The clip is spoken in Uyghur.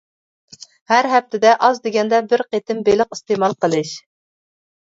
ھەر ھەپتىدە ئاز دېگەندە بىر قېتىم بېلىق ئىستېمال قىلىش.